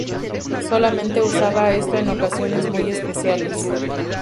Solamente usaba esto en ocasiones muy especiales.